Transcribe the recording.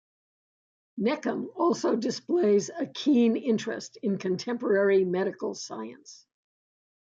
Neckam also displays a keen interest in contemporary medical science.